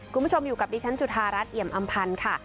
คุณผู้ชมอยู่กับดิฉันจุธารัฐเอี่ยมอำพันธ์ค่ะ